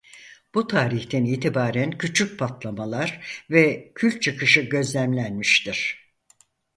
Bu tarihten itibaren küçük patlamalar ve kül çıkışı gözlemlenmiştir.